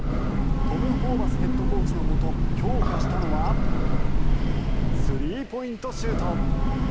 トム・ホーバスヘッドコーチのもと、強化したのはスリーポイントシュート。